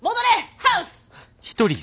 ハウス！